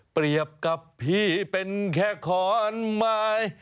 เปรียบกับพี่เป็นแค่ขอนไม้